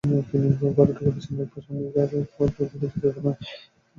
তিনি ঘরে ঢুকে বিছানার ওপর তাঁর স্বামীর রক্তাক্ত লাশ দেখে চিৎকার করেন।